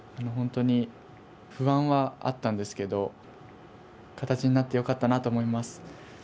本当に、不安はあったんですけど形になって良かったなと思います。